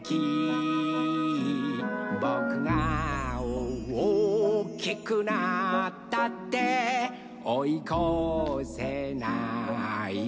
「ぼくがおおきくなったっておいこせないよ」